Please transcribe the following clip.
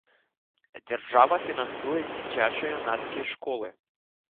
Дзяржава фінансуе дзіцяча-юнацкія школы.